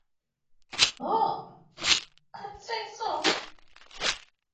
Whoa. I'd say so.